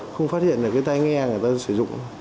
không phát hiện là cái tai nghe người ta sử dụng